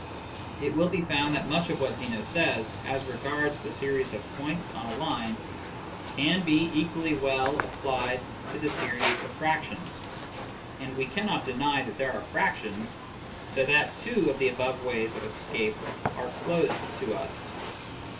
It will be found that much of what Zeno says as regards the series of points on a line can be equally well applied to the series of fractions. And we cannot deny that there are fractions, so that two of the above ways of escape are closed to us.